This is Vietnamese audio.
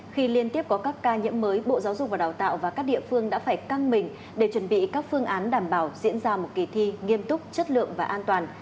khi liên tiếp có các ca nhiễm mới bộ giáo dục và đào tạo và các địa phương đã phải căng mình để chuẩn bị các phương án đảm bảo diễn ra một kỳ thi nghiêm túc chất lượng và an toàn